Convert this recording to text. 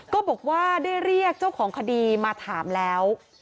ก็บอกว่าได้เรียกเจ้าของคดีมาถามแล้ว